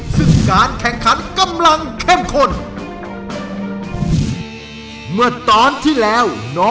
ซึ่งการแข่งขันกำลังเข้มข้น